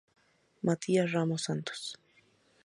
Matías Ramos Santos.